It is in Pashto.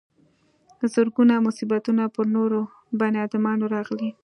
زرګونه مصیبتونه پر نورو بني ادمانو راغلي.